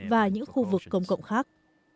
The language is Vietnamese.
và những khu vực công cộng khác